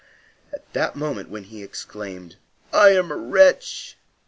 At the moment when he exclaimed "I am a wretch!"